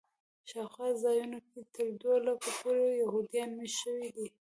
شاوخوا ځایونو کې تر دوه لکو پورې یهودان میشت شوي دي.